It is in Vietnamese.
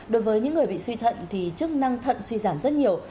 đối với những người bị suy thận thì chức năng thận suy giảm rất nhiều